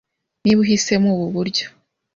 niba uhisemo ubu buryo